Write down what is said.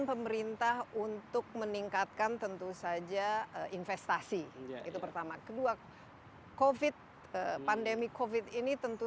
pemerintah untuk meningkatkan tentu saja investasi itu pertama kedua covid pandemi covid ini tentu